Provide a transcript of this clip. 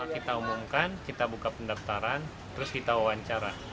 kita umumkan kita buka pendaftaran terus kita wawancara